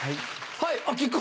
はい。